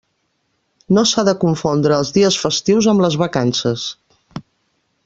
No s'ha de confondre els dies festius amb les vacances.